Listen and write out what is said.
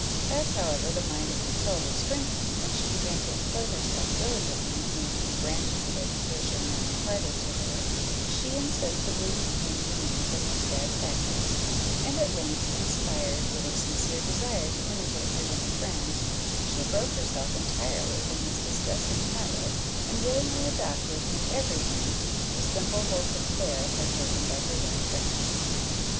As, however, the mind of Matilda strengthened, and she began to employ herself diligently in those new branches of education now imparted to her, she insensibly became weaned from this bad practice; and at length, inspired with a sincere desire to imitate her young friends, she broke herself entirely from this disgusting habit, and willingly adopted, in every thing, the simple wholesome fare partaken by her young friends.